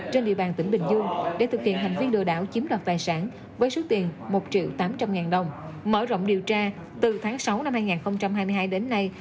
với số tiền một triệu tám trăm linh ngàn đồng mở rộng điều tra từ tháng sáu năm hai nghìn hai mươi hai đến nay